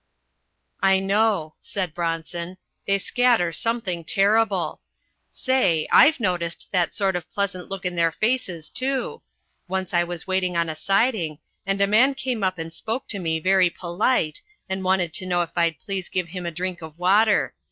"I know," said Bronson, "they scatter something terrible. Say, I've noticed that sort of pleasant look in their faces, too. Once I was waiting on a siding, and a man came up and spoke to me very polite, and wanted to know if I'd please give him a drink of water.